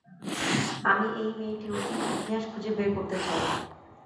আমি এই মেয়েটির অতীত ইতিহাস খুঁজে বের করতে চাই।